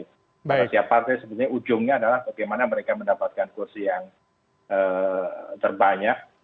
karena setiap partai sebenarnya ujungnya adalah bagaimana mereka mendapatkan kursi yang terbanyak